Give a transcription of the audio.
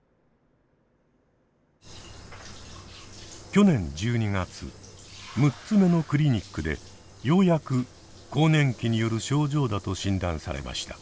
去年１２月６つ目のクリニックでようやく更年期による症状だと診断されました。